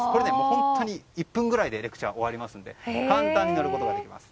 本当に１分ぐらいでレクチャーは終わりますので簡単に乗ることができます。